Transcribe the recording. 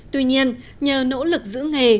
tuy nhiên nhờ nỗ lực giữ nghề